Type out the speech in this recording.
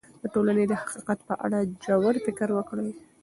د ټولنې د حقیقت په اړه ژور فکر وکړئ.